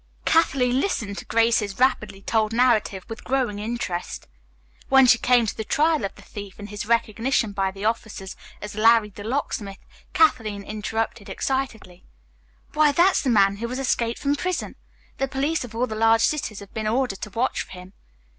Kathleen listened to Grace's rapidly told narrative with growing interest. When she came to the trial of the thief and his recognition by the officers as "Larry, the Locksmith," Kathleen interrupted excitedly: "Why, that's the man who has escaped from prison. The police of all the large cities have been ordered to watch for him.